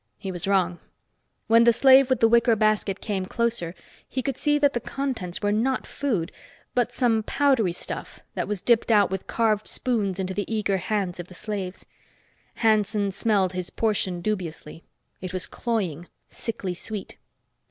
He was wrong. When the slave with the wicker basket came closer he could see that the contents were not food but some powdery stuff that was dipped out with carved spoons into the eager hands of the slaves. Hanson smelled his portion dubiously. It was cloying, sickly sweet.